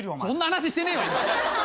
そんな話してねえ！